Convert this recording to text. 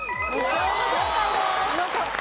正解です。